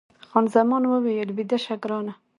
خان زمان وویل، بیده شه ګرانه.